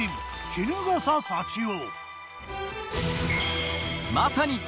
衣笠祥雄。